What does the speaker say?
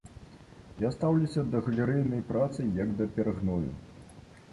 Я стаўлюся да галерэйнай працы як да перагною.